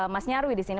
mas nyarwi disini